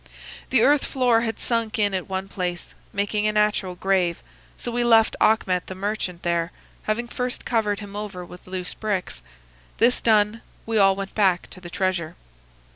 The earth floor had sunk in at one place, making a natural grave, so we left Achmet the merchant there, having first covered him over with loose bricks. This done, we all went back to the treasure.